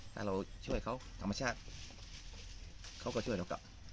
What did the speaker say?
ถ้าเราช่วยเขาธรรมชาติเขาก็ช่วยเรากลับ